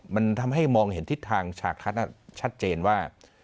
มันทำให้มองเห็นทิศทางฉากทัศน์ชัดเจนว่า